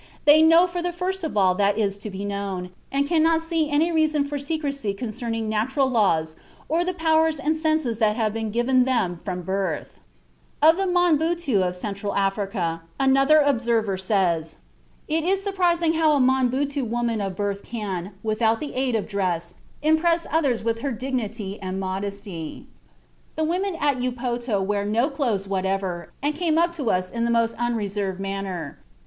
They know from the first all that is to be known, and cannot see any reason for secrecy concerning natural laws or the powers and senses that have been given them from birth." (Zeitschrift für Ethnologie, 1898, Heft 6, p. 479.) Of the Monbuttu of Central Africa, another observer says: "It is surprising how a Monbuttu woman of birth can, without the aid of dress, impress others with her dignity and modesty." (British Medical Journal. June 14, 1890.) "The women at Upoto wear no clothes whatever, and came up to us in the most unreserved manner.